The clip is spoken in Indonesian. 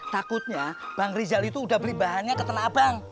takutnya bang rizal itu udah beli bahannya ke tenabang